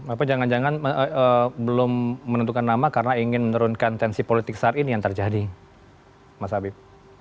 apa jangan jangan belum menentukan nama karena ingin menurunkan tensi politik saat ini yang terjadi mas habib